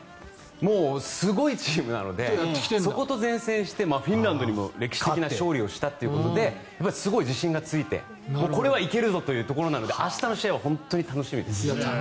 もうすごいチームなのでそこと善戦してフィンランドにも歴史的な勝利をしたということですごい自信がついてこれは行けるぞというところなので明日の試合は本当に楽しみです。